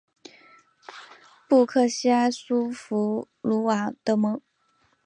布克西埃苏弗鲁瓦德蒙。